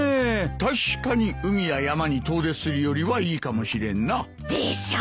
確かに海や山に遠出するよりはいいかもしれんな。でしょう？